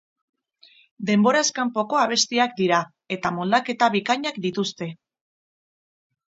Denboraz kanpoko abestiak dira eta moldaketa bikainak dituzte.